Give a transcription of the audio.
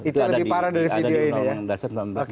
itu lebih parah dari video ini ya